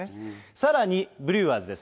さらにブリュワーズです。